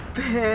paham pak rw